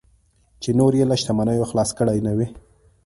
چې نور یې له شتمنیو خلاص کړي نه وي.